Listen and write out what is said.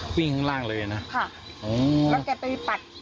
วิ่งข้างล่างเลยนะค่ะแล้วแกไปปัด